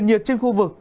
nền nhiệt trên khu vực